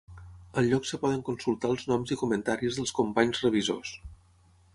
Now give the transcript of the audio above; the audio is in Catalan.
Al lloc es poden consultar els noms i comentaris dels companys revisors.